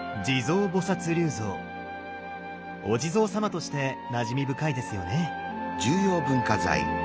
お地蔵様としてなじみ深いですよね。